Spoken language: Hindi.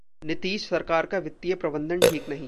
‘नीतीश सरकार का वित्तीय प्रबंधन ठीक नहीं’